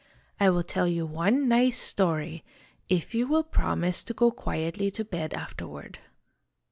I will tell you one nice story, if you will promise to go quietly to bed after ward."